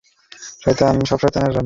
সব শয়তানের রাণী।